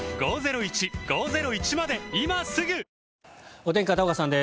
お天気、片岡さんです。